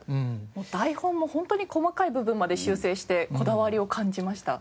台本も本当に細かい部分まで修正してこだわりを感じました。